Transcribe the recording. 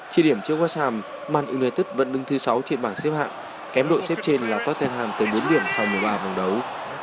trị điểm trước west ham man utd vẫn đứng thứ sáu trên bảng xếp hạng kém đội xếp trên là tottenham tới bốn điểm sau một mươi ba vòng đấu